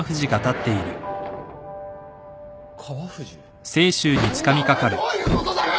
お前どういうことだよ！